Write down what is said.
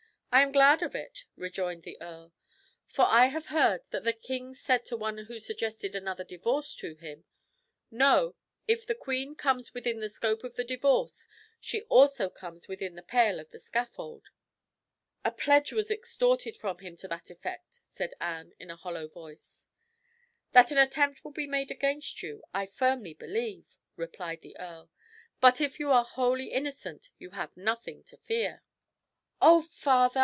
"I am glad of it," rejoined the earl; "for I have heard that the king said to one who suggested another divorce to him, 'No, if the queen comes within the scope of the divorce, she also comes within the pale of the scaffold.'" "A pledge was extorted from him to that effect," said Anne, in a hollow voice. "That an attempt will be made against you, I firmly believe," replied the earl; "but if you are wholly innocent you have nothing to fear." "Oh, father!